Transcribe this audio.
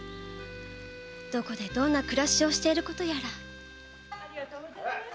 どこでどんな暮らしをしていることやら。